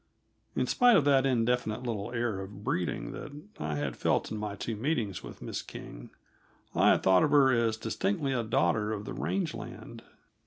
In spite of that indefinable little air of breeding that I had felt in my two meetings with Miss King, I had thought of her as distinctly a daughter of the range land.